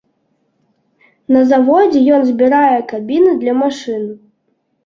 На заводзе ён збірае кабіны для машын.